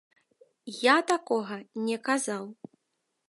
Я такога не казаў.